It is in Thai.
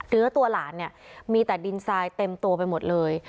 เนื้อตัวหลานเนี่ยมีแต่ดินทรายเต็มตัวไปหมดเลย